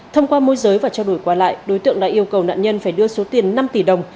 thông qua môi giới và trao đổi qua lại đối tượng đã yêu cầu nạn nhân phải đưa số tiền năm tỷ đồng